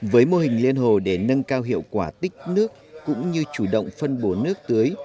với mô hình liên hồ để nâng cao hiệu quả tích nước cũng như chủ động phân bổ nước tưới